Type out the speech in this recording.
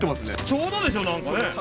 ちょうどでしょ？何かね。